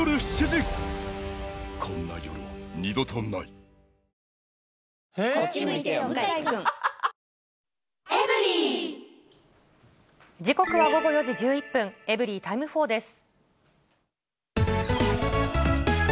お試し容量も時刻は午後４時１１分、エブリィタイム４です。